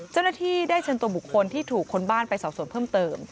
เจ้าหน้าที่ได้เชิญตัวบุคคลที่ถูกคนบ้านไปสอบส่วนเพิ่มเติม